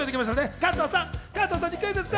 加藤さんにクイズッス！